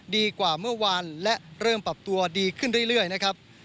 ดีกว่าเมื่อวานและเริ่มปรับตัวดีขึ้นเรื่อยนะครับ